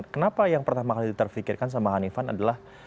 kenapa yang pertama kali terfikirkan sama hanifan adalah